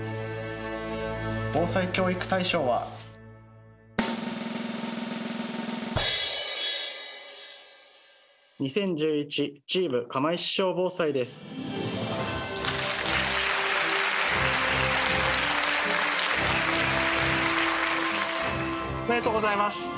防災教育大賞は。おめでとうございます。